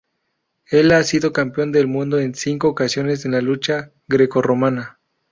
Él ha sido campeón del mundo en cinco ocasiones en la lucha greco-romana.